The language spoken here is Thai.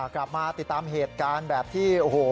กลับมาติดตามเหตุการณ์แบบที่โอ้โห